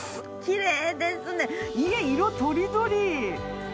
きれいですねいや色とりどり！